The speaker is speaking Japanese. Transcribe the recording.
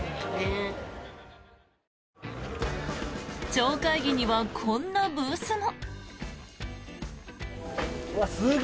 超会議にはこんなブースも。